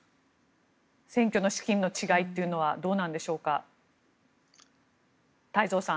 選挙の資金の違いというのはどうなんでしょうか。